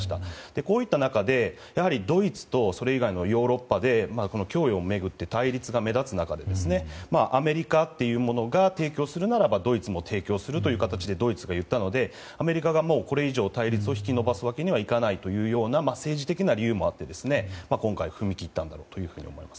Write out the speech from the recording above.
こういった中でドイツとそれ以外のヨーロッパで供与を巡って対立が目立つ中でアメリカというものが提供するならばドイツも提供するとドイツが言ったのでアメリカがこれ以上対立を引き延ばすわけにはいかないという政治的な理由があって今回踏み切ったんだと思います。